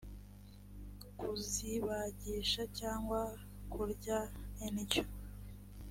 kuzibagisha cyangwa kurya indyo